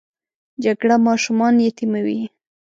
جګړه ماشومان یتیموي